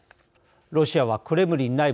ロシアはクレムリン内部